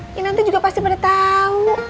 ini nanti juga pasti pada tahu